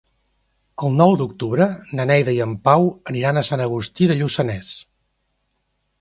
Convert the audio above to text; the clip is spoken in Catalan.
El nou d'octubre na Neida i en Pau aniran a Sant Agustí de Lluçanès.